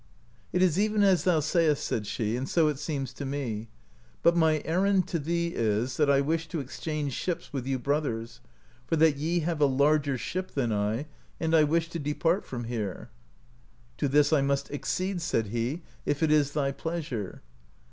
"It is even as thou sayest," said she, "and so it seems to me ; but my errand to thee is, that I wish to exchange ships with you brothers, for that ye have a larger ship than I, and I wish to depart from here." "To this I must ac cede," said he, "if it is thy pleasure."